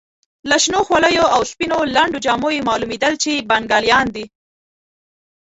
له شنو خولیو او سپینو لنډو جامو یې معلومېدل چې بنګالیان دي.